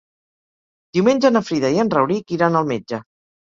Diumenge na Frida i en Rauric iran al metge.